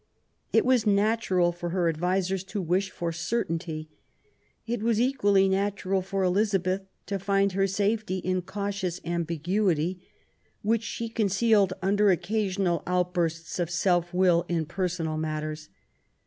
It was natural for her advisers to wish for certainty : it wag equally natural for 8 114 QUBBN BUZABBTH. Elizabeth to find her safety in cautious ambiguity, which she concealed under occasional outbursts of self will in personal matters.